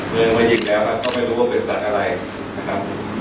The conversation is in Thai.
เมื่อยิงแล้วก็ไม่รู้ว่าเป็นสัตว์อะไรนะครับ